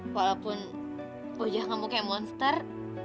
walaupun wajah kamu kayak monster